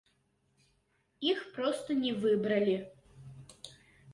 Іх проста не вырабілі.